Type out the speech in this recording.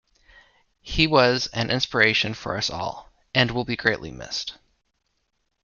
He was an inspiration for us all...and will be greatly missed.